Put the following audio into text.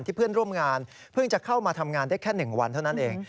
เพื่อนร่วมงานเพิ่งจะเข้ามาทำงานได้แค่๑วันเท่านั้นเอง